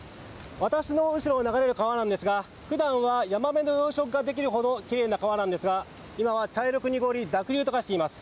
私の後ろを流れる川なんですが普段はヤマメの養殖ができるほどきれいな川なんですが今は茶色く濁り濁流と化しています。